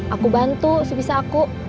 aku bantu sebisa aku